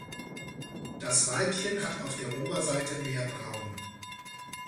Das Weibchen hat auf der Oberseite mehr Braun.